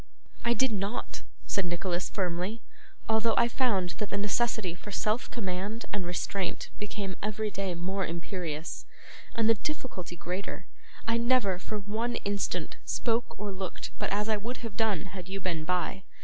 'I did not,' said Nicholas, firmly. 'Although I found that the necessity for self command and restraint became every day more imperious, and the difficulty greater, I never, for one instant, spoke or looked but as I would have done had you been by.